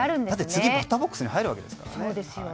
次、バッターボックスに入るわけですからね。